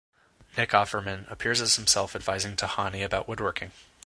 Nick Offerman appears as himself advising Tahani about woodworking.